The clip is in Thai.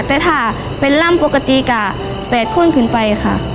แต่ถ้าเป็นร่ำปกติก็๘คนขึ้นไปค่ะ